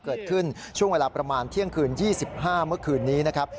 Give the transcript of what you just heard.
ช่วงเวลาประมาณเที่ยงคืน๒๕เมื่อคืนนี้นะครับ